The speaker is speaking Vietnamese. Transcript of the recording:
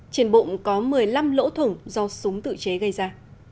trên bụng có một mươi năm lỗ thủng do súng tự chế gây ra